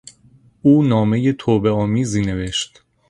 او نامهی توبهآمیزی نوشت.